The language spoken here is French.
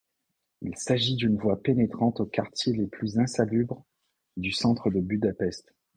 Il s'agit d'une voie pénétrante aux quartiers les plus insalubres du centre de Budapest.